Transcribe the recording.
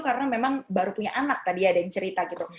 karena memang baru punya anak tadi ada yang cerita gitu